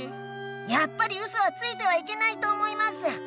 やっぱりウソはついてはいけないと思います！